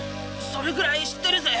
それぐらい知ってるぜ。